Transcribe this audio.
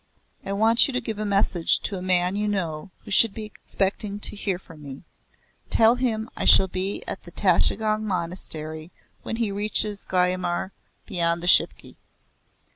I want you to give a message to a man you know who should be expecting to hear from me. Tell him I shall be at the Tashigong Monastery when he reaches Gyumur beyond the Shipki.